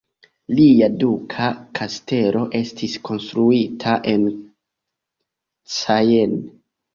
Lia duka kastelo estis konstruita en Caen.